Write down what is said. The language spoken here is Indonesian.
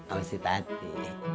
am si tati